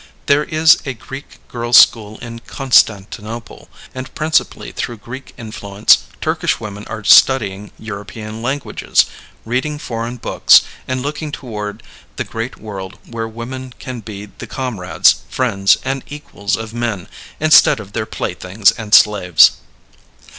There is a Greek girls' school in Constantinople; and, principally through Greek influence, Turkish women are studying European languages, reading foreign books, and looking toward the great world where women can be the comrades, friends, and equals of men, instead of their playthings and slaves.